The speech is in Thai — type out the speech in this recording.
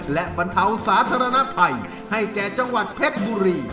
และบรรเทาสาธารณภัยให้แก่จังหวัดเพชรบุรี